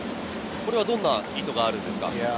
これはどんな意図があるんですか？